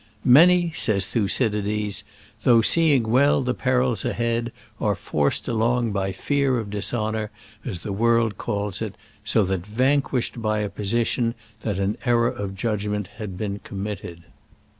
"Many," says Thucydides, *' though seeing well the perils ahead, are forced along by fear of dishonor, as the world calls it, so that, vanquished by a position, that an error of judgment had been committed.